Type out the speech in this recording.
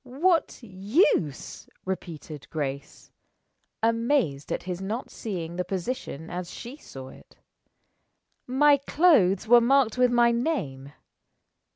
"What use?" repeated Grace, amazed at his not seeing the position as she saw it. "My clothes were marked with my name.